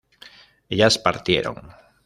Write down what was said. ellas partieron